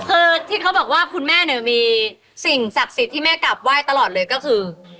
คือที่เขาบอกว่าคุณแม่เนี่ยมีสิ่งศักดิ์สิทธิ์ที่แม่กลับไหว้ตลอดเลยก็คือ